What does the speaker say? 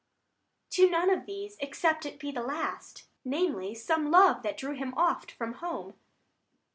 Adr. To none of these, except it be the last; 55 Namely, some love that drew him oft from home.